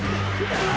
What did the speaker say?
・うわ！